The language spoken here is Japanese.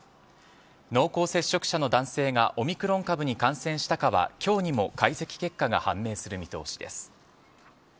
濃厚接触者の男性がオミクロン株に感染したかは今日にも解析結果が判明する見通しです。